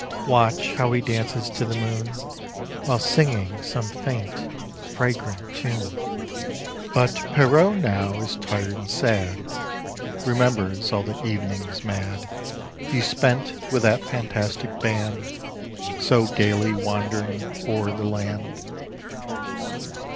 Watch how he dances to the moon While singing some faint fragrant tune !But 1'ierrot now is tired and sad Remembers all the evenings mad He spent with that fantastic band ;.ulv wand 'ring o'ei the land. Pierrot Old.